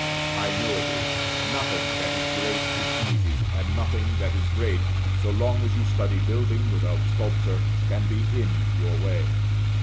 I know it is; nothing that is great is easy; and nothing that is great, so long as you study building without sculpture, can be in your way.